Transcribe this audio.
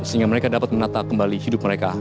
sehingga mereka dapat menata kembali hidup mereka